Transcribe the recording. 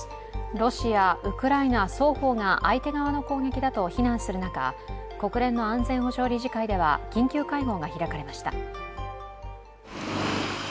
ロシア、ウクライナ双方が相手側の攻撃だと非難する中、国連の安全保障理事会では緊急会合が開かれました。